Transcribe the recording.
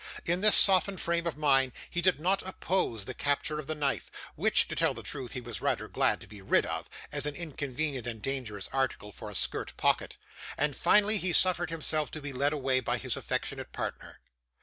In this softened frame of mind he did not oppose the capture of the knife which, to tell the truth, he was rather glad to be rid of, as an inconvenient and dangerous article for a skirt pocket and finally he suffered himself to be led away by his affectionate partner.